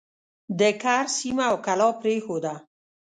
د کرز سیمه او کلا پرېښوده.